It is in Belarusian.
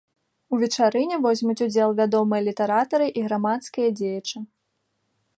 У вечарыне возьмуць удзел вядомыя літаратары і грамадскія дзеячы.